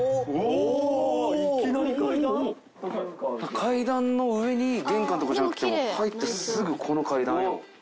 階段の上に玄関とかじゃなくて入ってすぐこの階段。